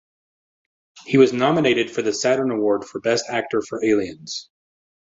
He was nominated for the Saturn Award for Best Actor for Aliens.